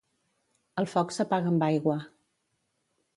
El foc s'apaga amb aigua.